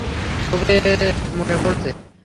তোকে মনে পড়ছে।